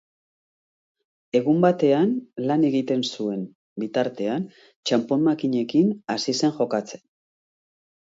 Egun batean, lan egiten zuen bitartean, txanpon-makinekin hasi zen jokatzen.